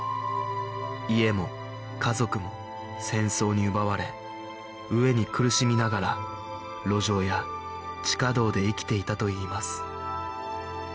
家も家族も戦争に奪われ飢えに苦しみながら路上や地下道で生きていたといいます